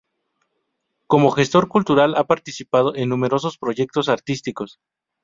Como gestor cultural ha participado en numerosos proyectos artísticos.